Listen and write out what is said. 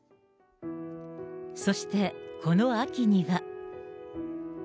そして、この秋には。